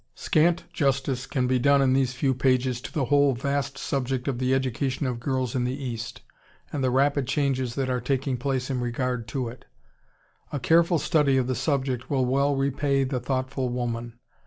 ] Scant justice can be done in these few pages to the whole vast subject of the education of girls in the East, and the rapid changes that are taking place in regard to it. A careful study of the subject will well repay the thoughtful woman.